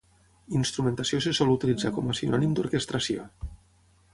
Instrumentació se sol utilitzar com a sinònim d'orquestració.